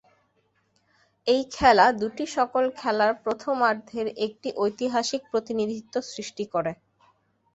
এই খেলা দুটি সকল খেলার প্রথমার্ধের একটি ঐতিহাসিক প্রতিনিধিত্ব সৃষ্টি করে।